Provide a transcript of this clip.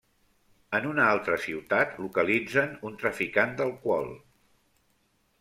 En una altra ciutat, localitzen un traficant d'alcohol.